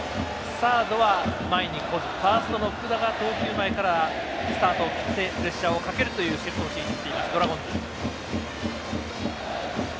サードは前に来ずファーストの福田が投球前からスタートを切ってプレッシャーをかけるというシフトを敷いていますドラゴンズ。